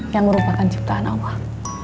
yang merupakan ciptaan allah